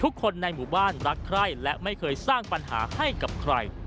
คนในหมู่บ้านรักใคร่และไม่เคยสร้างปัญหาให้กับใคร